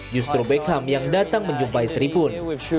justru beckham yang datang menjumpai sri pun